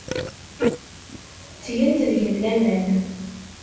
Ttgent deg-m laman.